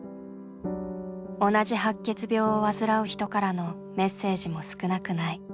同じ白血病を患う人からのメッセージも少なくない。